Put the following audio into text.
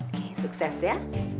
oke sukses ya